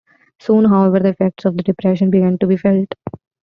Soon, however, the effects of the depression began to be felt.